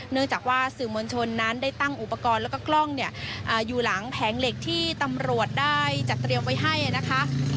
เนื่องจากว่าสื่อมวลชนนั้นได้ตั้งอุปกรณ์แล้วก็กล้องเนี่ยอยู่หลังแผงเหล็กที่ตำรวจได้จัดเตรียมไว้ให้นะคะ